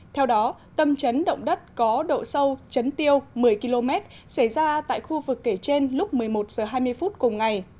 theo đó tâm chấn động đất có độ sâu chấn tiêu một mươi km xảy ra tại khu vực kể trên lúc một mươi một h hai mươi phút cùng ngày